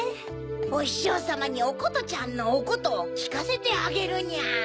おししょうさまにおことちゃんのおことをきかせてあげるニャ。